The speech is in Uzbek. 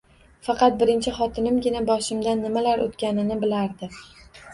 Faqat birinchi xotinimgina boshimdan nimalar o`tganini bilardi